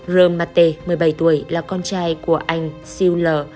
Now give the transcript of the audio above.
romapin một mươi bảy tuổi là con trai của anh siu lờ